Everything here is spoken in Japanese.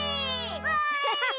わい！